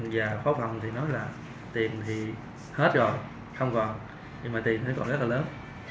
và có phòng thì nói là tiền thì hết rồi không còn nhưng mà tiền nó còn rất là lớn